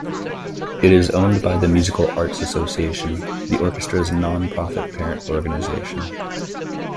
It is owned by the Musical Arts Association, the orchestra's non-profit parent organization.